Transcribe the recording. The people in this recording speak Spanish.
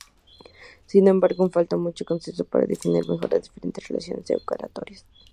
Sin embargo, aún falta mucho consenso para definir mejor las diferentes relaciones eucariotas.